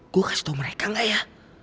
gue kasih tau mereka lah ya